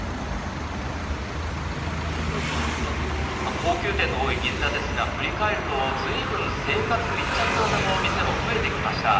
高級店の多い銀座ですが振り返るとずいぶん生活密着型の店も増えてきました。